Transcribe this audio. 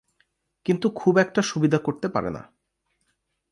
কিন্তু খুব একটা সুবিধা করতে পারে না।